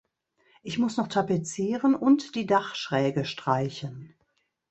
Ich muss noch tapezieren und die Dachschräge streichen.